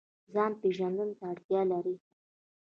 ځان پیژندنې ته اړتیا لري